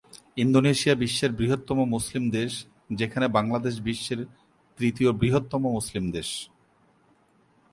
Indonesia বিশ্বের বৃহত্তম মুসলিম দেশ, যেখানে বাংলাদেশ বিশ্বের তৃতীয় বৃহত্তম মুসলিম দেশ।